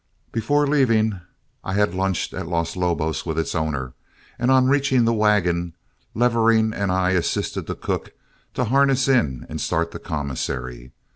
Before leaving I had lunched at Los Lobos with its owner, and on reaching the wagon, Levering and I assisted the cook to harness in and start the commissary.